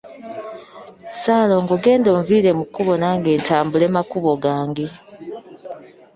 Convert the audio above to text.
Ssaalongo genda onviire mu kkubo nange ntambule makubo gange.